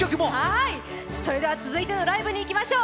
それでは、続いてのライブにいきましょう。